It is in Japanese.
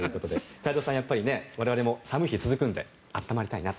太蔵さん、やっぱり我々も寒い日が続くの温まりたいなと。